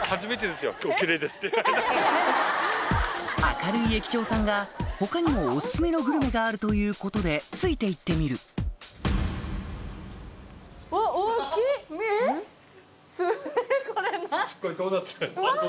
明るい駅長さんが他にもお薦めのグルメがあるということでついて行ってみるすいません